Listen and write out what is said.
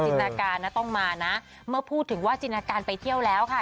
นาการนะต้องมานะเมื่อพูดถึงว่าจินตนาการไปเที่ยวแล้วค่ะ